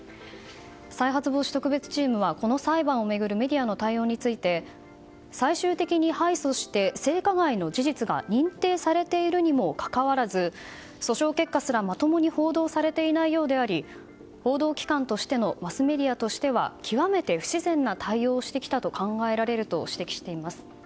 再発防止特別チームはこの裁判を巡るメディアの対応について最終的に敗訴して性加害の事実が認定されているにもかかわらず訴訟結果すら、まともに報道されていないようであり報道機関としてのマスメディアとしては極めて不自然な対応をしてきたと考えられると指摘しています。